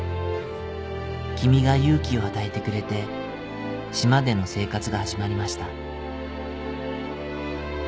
君が勇気を与えてくれて島での生活が始まりました」